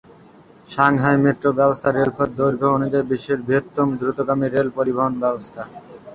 Shanghai metro ব্যবস্থা রেলপথ দৈর্ঘ্য অনুযায়ী বিশ্বের বৃহত্তম দ্রুতগামী রেল পরিবহন ব্যবস্থা।